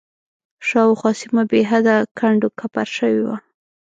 شاوخوا سیمه بېحده کنډ و کپر شوې وه.